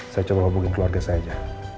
saya coba hubungin keluarga saya aja